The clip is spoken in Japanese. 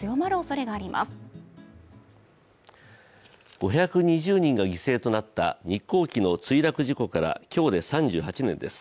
５２０人が犠牲となった日航機の墜落事故から今日で３８年です